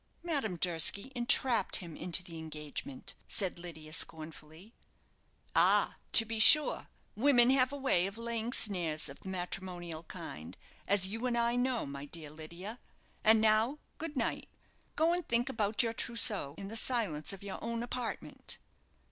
"Madame Durski entrapped him into the engagement," said Lydia, scornfully. "Ah, to be sure, women have a way of laying snares of the matrimonial kind, as you and I know, my dear Lydia. And now, good night. Go and think about your trousseau in the silence of your own apartment."